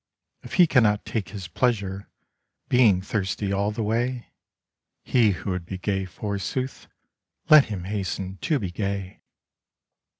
If he cannot take his pleasure, Being thirsty all the way ? He who would be gay, forsooth, Let him hasten to be gay.